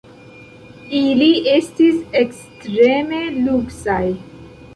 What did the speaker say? Ili estis ekstreme luksaj.